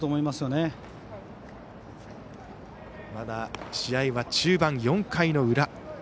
まだ試合は中盤、４回の裏。